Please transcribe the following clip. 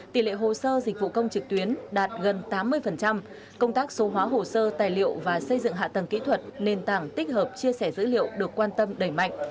tỷ lệ hồ sơ dịch vụ công trực tuyến đạt gần tám mươi công tác số hóa hồ sơ tài liệu và xây dựng hạ tầng kỹ thuật nền tảng tích hợp chia sẻ dữ liệu được quan tâm đẩy mạnh